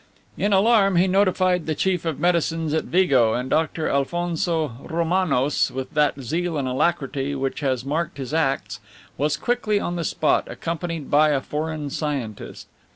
In alarm, he notified the Chief of Medicines at Vigo, and Dr. Alphonso Romanos, with that zeal and alacrity which has marked his acts, was quickly on the spot, accompanied by a foreign scientist.